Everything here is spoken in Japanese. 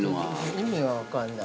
◆意味が分からない。